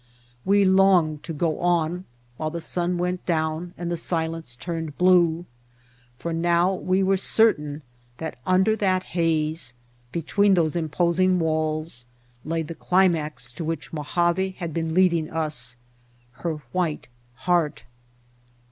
We longed to go on while the sun went down and the silence turned blue, for now we were certain that under that White Heart of Mojave haze, between those imposing walls, lay the cli max to which Mojave had been leading us, her White Heart.